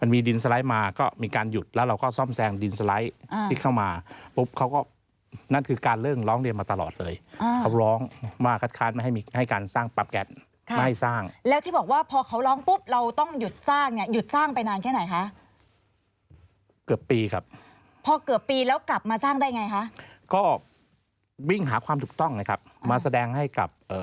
มันมีดินสไลด์มาก็มีการหยุดแล้วเราก็ซ่อมแซงดินสไลด์ทิ้งเข้ามา